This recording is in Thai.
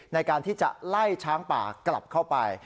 ในการที่จะไล่ช้างป่ากลับเข้าไป